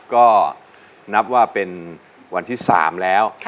ก็นับว่าเป็นวันที่๓แล้ว